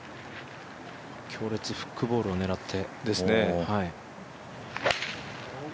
強烈フックボールを狙って。